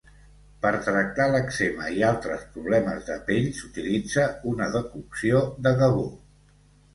Per tractar l'èczema i altres problemes de pell s'utilitza una decocció de gavó.